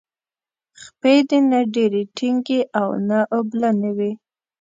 خپې دې نه ډیرې ټینګې او نه اوبلنې وي.